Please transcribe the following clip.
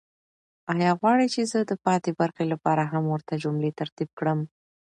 آیا غواړئ چې زه د پاتې برخې لپاره هم ورته جملې ترتیب کړم؟